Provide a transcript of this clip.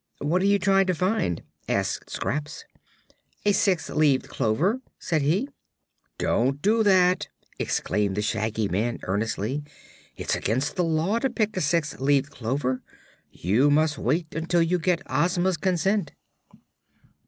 "What are you trying to find?" asked Scraps. "A six leaved clover," said he. "Don't do that!" exclaimed the Shaggy Man, earnestly. "It's against the Law to pick a six leaved clover. You must wait until you get Ozma's consent."